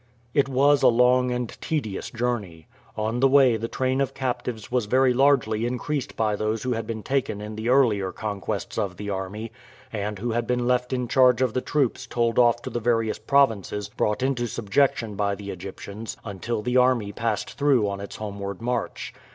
It was a long and tedious journey. On the way the train of captives was very largely increased by those who had been taken in the earlier conquests of the army, and who had been left in charge of the troops told off to the various provinces brought into subjection by the Egyptians until the army passed through on its homeward march.